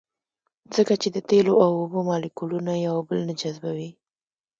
ځکه چې د تیلو او اوبو مالیکولونه یو بل نه جذبوي